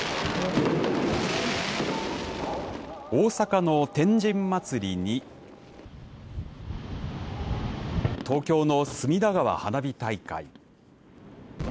大阪の天神祭に東京の隅田川花火大会。